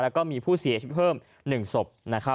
แล้วก็มีผู้เสียชีวิตเพิ่ม๑ศพ